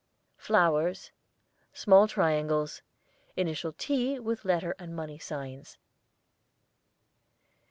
Flowers. Small triangles. Initial 'T' with letter and money signs.